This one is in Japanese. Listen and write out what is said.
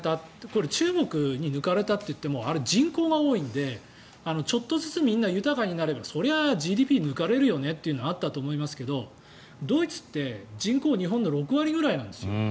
これは中国に抜かれたといってもあれ、人口が多いんでちょっとずつみんな豊かになればそれはＧＤＰ抜かれるよねというのはあったと思いますがドイツって人口日本の６割ぐらいなんですよ。